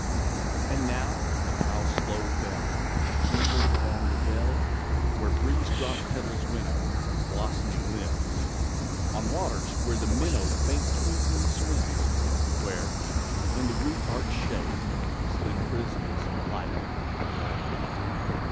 And now a cow's slow bell Tinkles along the dell; Where breeze dropped petals winnow From blossomy limbs On waters, where the minnow, Faint twinkling, swims; Where, in the root arched shade, Slim prisms of light are laid.